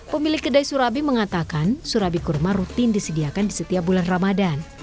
pemilik kedai surabi mengatakan surabi kurma rutin disediakan di setiap bulan ramadan